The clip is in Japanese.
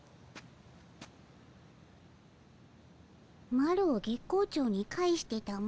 マロを月光町に帰してたも。